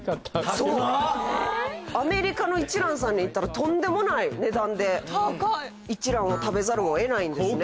アメリカの一蘭さんに行ったらとんでもない値段で一蘭を食べざるを得ないんですね。